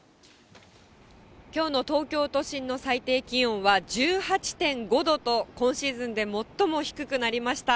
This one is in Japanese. きょうの東京都心の最低気温は１８．５度と、今シーズンで最も低くなりました。